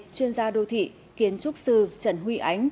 chuyên gia đô thị kiến trúc sư trần huy ánh